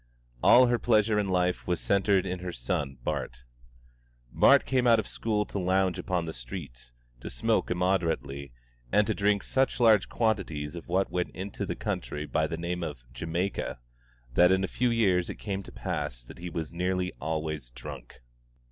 All her pleasure in life was centred in her son Bart. Bart came out of school to lounge upon the streets, to smoke immoderately, and to drink such large quantities of what went into the country by the name of "Jamaica," that in a few years it came to pass that he was nearly always drunk.